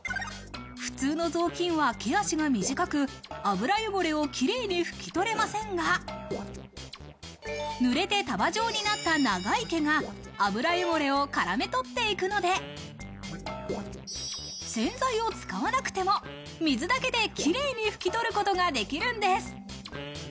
普通の雑巾は毛足が短く、油汚れを綺麗に拭き取れませんが、濡れて束状になった長い毛が油汚れを絡め取っていくので、洗剤を使わなくても水だけで綺麗にふき取ることができるんです。